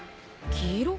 黄色？